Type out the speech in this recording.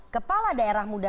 kepala daerah muda